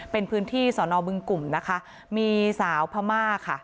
เป็นพื้นที่สอนอบึงกลุ่มนะคะมีสาวพม่าค่ะ